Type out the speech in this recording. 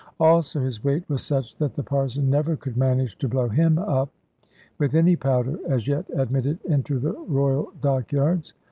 Also his weight was such that the Parson never could manage to blow him up, with any powder as yet admitted into the Royal Dockyards.